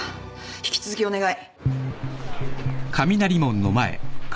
引き続きお願い。